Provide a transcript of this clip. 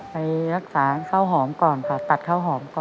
ไปรักษาข้าวหอมก่อนค่ะ